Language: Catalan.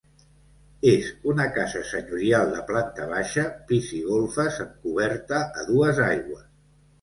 És una casa Senyorial de planta baixa, pis i golfes amb coberta a dues aigües.